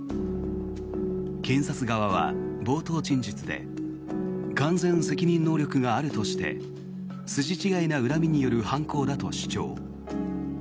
検察側は冒頭陳述で完全責任能力があるとして筋違いな恨みによる犯行だと主張。